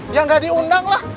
ya gak diundang lah